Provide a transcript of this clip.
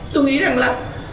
tôi nghĩ rằng là